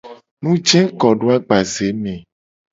Nujekodoagbazeme.